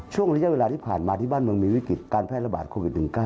ช่วงระยะเวลาที่ผ่านมาที่บ้านเมืองมีวิกฤติการแพร่ระบาดโควิด๑๙